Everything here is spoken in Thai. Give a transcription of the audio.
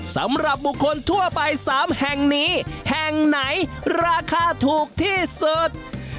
สำหรับบุคคลทั่วไป๓แห่งนี้แห่งไหนราคาถูกที่สุด